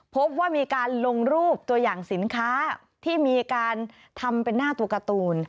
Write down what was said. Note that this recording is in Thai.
พบว่ามีการลงรูปตัวอย่างสินค้าที่มีการทำเป็นหน้าตัวการ์ตูน